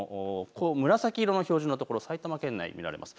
紫色の表示のところ、埼玉県内見られます。